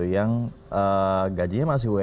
yang gajinya masih ump